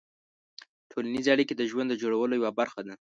ټولنیز اړیکې د ژوند د جوړولو یوه برخه ده.